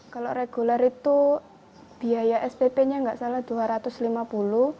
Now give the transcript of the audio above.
kalau reguler itu biaya spp nya nggak salah rp dua ratus lima puluh